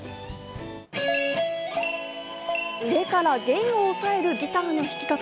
上から弦を押さえるギターの弾き方。